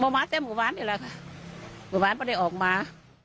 เมื่อวานเต็มหมู่ว้านอยู่แล้วค่ะหมู่ว้านไม่ได้ออกมา